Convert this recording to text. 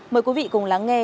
mời quý vị cùng lắng nghe